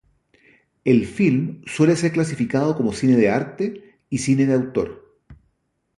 El film suele ser clasificado como cine de arte y cine de autor.